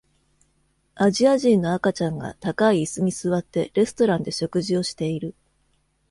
アジア人の赤ちゃんが高い椅子に座ってレストランで食事をしている。